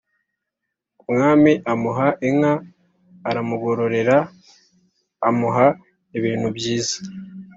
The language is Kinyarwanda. umwami amuha inka, aramugororera, amuha ibintu byiza.